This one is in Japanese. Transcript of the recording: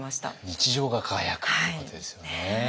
日常が輝くということですよね。